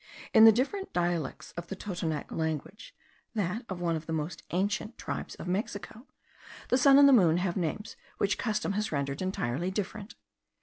In the different dialects of the Totonac language (that of one of the most ancient tribes of Mexico) the sun and the moon have names which custom has rendered entirely different.